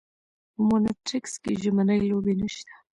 په مونټریکس کې ژمنۍ لوبې نشته.